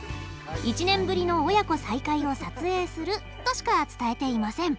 １年ぶりの親子再会を撮影するとしか伝えていません。